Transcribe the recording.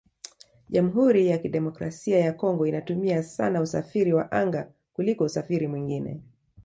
Jamhuri ya Kidemokrasia ya Congo inatumia sana usafiri wa anga kuliko usafiri mwingine